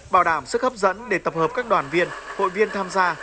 bảo đảm sức hấp dẫn để tập hợp các đoàn viên hội viên tham gia